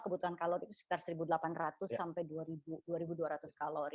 kebutuhan kalori itu sekitar satu delapan ratus sampai dua dua ratus kalori